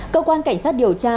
cơ quan cảnh sát điều tra